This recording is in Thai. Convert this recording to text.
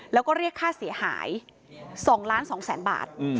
แล้วก็เรียกค่าเสียหาย๒ล้าน๒แสนบาท